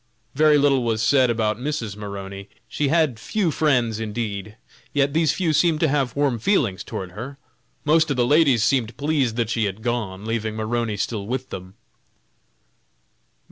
Very little was said about Mrs. Maroney. She had few friends, indeed, yet these few seemed to have warm feelings towards her; most of the ladies seemed pleased that she had gone, leaving Maroney still with them.